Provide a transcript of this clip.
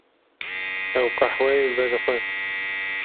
Ew qehweyê vedixwe.